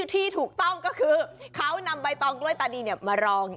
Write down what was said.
ดีถูกต้องก็คือเขานำใบตองใบต้องกวนตานีเนี่ยมาลอง